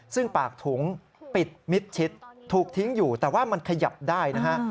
ซึ่งปากถุงปิดมิดชิดถูกทิ้งอยู่แต่ว่ามันขยับได้นะฮะ